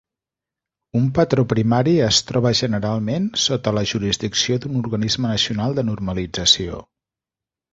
Un patró primari es troba generalment sota la jurisdicció d'un organisme nacional de normalització.